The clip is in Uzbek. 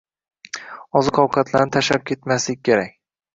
Oziq-ovqatlarni tashlab ketmaslik kerak